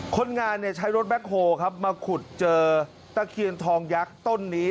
คนงานใช้รถแบ็คโฮครับมาขุดเจอตะเคียนทองยักษ์ต้นนี้